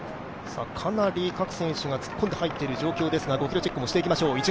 かなり各選手が突っ込んで入っている状況ですが、５ｋｍチェックもしていきましょう。